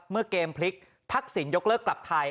เมื่อเกมพลิกทักษิณยกเลิกกลับไทย